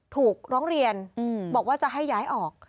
ถูกร้องเรียนบอกว่าจะให้ย้ายออก